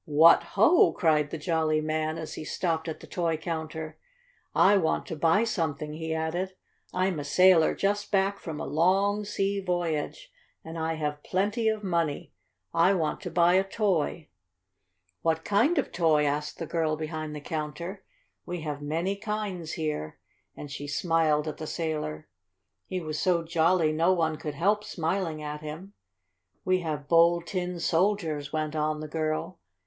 "What ho!" cried the jolly man, as he stopped at the toy counter. "I want to buy something!" he added. "I'm a sailor, just back from a long sea voyage, and I have plenty of money! I want to buy a toy!" "What kind of toy?" asked the girl behind the counter. "We have many kinds here," and she smiled at the sailor. He was so jolly no one could help smiling at him. "We have Bold Tin Soldiers," went on the girl.